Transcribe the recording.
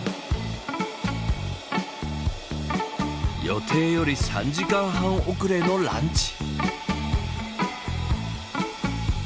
予定より３時間半遅れのランチ。